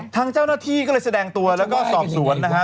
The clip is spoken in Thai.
ทางเจ้าหน้าที่ก็เลยแสดงตัวแล้วก็สอบสวนนะฮะ